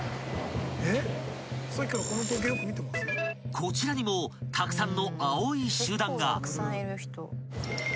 ［こちらにもたくさんの青い集団が］